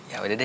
ya udah deh